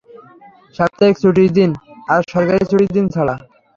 সাপ্তাহিক ছুটির দিন, আর সরকারি ছুটির দিন ছাড়া।